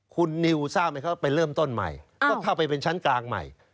คุณนิวทราบไหมครับไปเริ่มต้นใหม่ก็เข้าไปเป็นชั้นกลางใหม่